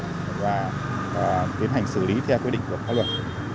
và tiến hành xử lý theo quy định của pháp luật